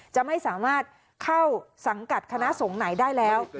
จะไม่สามารถเข้าสังกัดคณะสงฆ์ไหนได้แล้ว